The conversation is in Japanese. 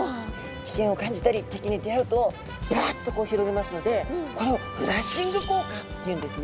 危険を感じたり敵に出会うとバッとこう広げますのでこれをフラッシング効果っていうんですね。